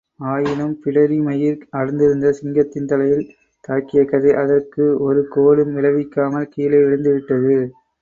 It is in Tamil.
ஆயினும், பிடரி மயிர் அடர்ந்திருந்த சிங்கத்தின் தலையில் தாக்கிய கதை அதற்கு ஒரு கேடும் விளைவிக்காமல் கீழே விழுந்துவிட்டது.